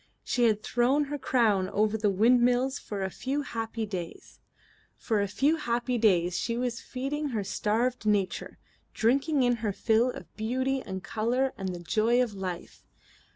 She had thrown her crown over the windmills for a few happy days; for a few happy days she was feeding her starved nature, drinking in her fill of beauty and colour and the joy of life.